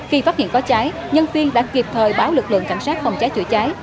khi phát hiện có cháy nhân viên đã kịp thời báo lực lượng cảnh sát phòng cháy chữa cháy